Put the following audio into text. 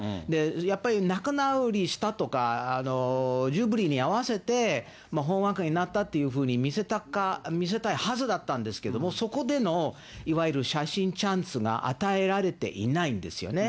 やっぱり仲直りしたとか、ジュビリーに合わせて、ほんわかになったっていうふうに見せたかったはずなんですが、そこでのいわゆる写真チャンスが与えられていないんですよね。